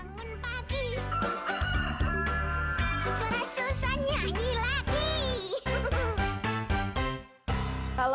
suara susan nyanyi lagi